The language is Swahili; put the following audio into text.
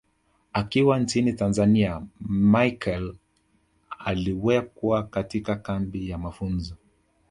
Akiwa nchini Tanzania Machel aliwekwa katika kambi ya mafunzo